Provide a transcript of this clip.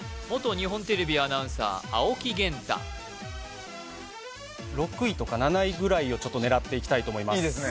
日本テレビアナウンサー青木源太６位とか７位ぐらいをちょっと狙っていきたいと思いますいいですね